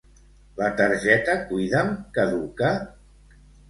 La targeta Cuida'm caduca?